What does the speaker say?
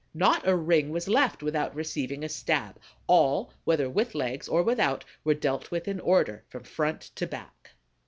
Not a ring was left without receiving a stab; all, whether with legs or without, were dealt with in order, from front to back.